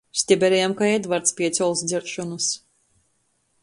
Steberejam kai Edvarts piec ols dzeršonys.